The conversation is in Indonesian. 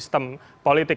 dalam hal ini